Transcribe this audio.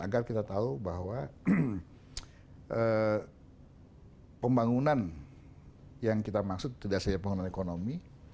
agar kita tahu bahwa pembangunan yang kita maksud tidak hanya pembangunan ekonomi